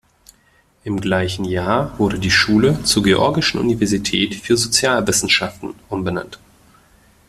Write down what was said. Im gleichen Jahr wurde die Schule zur Georgischen Universität für Sozialwissenschaften umbenannt.